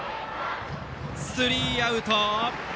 スリーアウト。